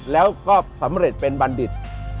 แล้วก็สำเร็จเป็นบัณฑิต